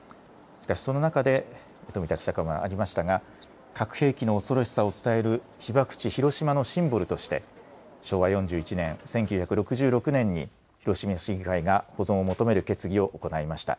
その中で富田記者からもありましたが核兵器の恐ろしさを伝える被爆地、広島のシンボルとして昭和４１年、１９６６年に広島市議会が保存を求める決議を行いました。